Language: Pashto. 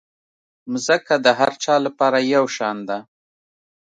مځکه د هر چا لپاره یو شان ده.